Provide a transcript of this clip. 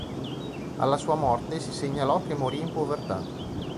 Alla sua morte si segnalò che morì in povertà.